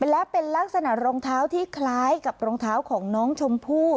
และเป็นลักษณะรองเท้าที่คล้ายกับรองเท้าของน้องชมพู่